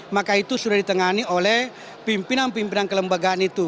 maka itu sudah ditangani oleh pimpinan pimpinan kelembagaan itu